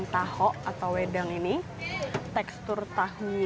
tahok atau wedang ini tekstur tahoknya